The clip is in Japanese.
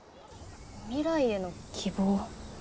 未来への希望。